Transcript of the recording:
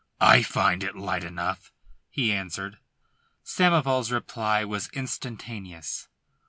"I find it light enough," he answered. Samoval's reply was instantaneous.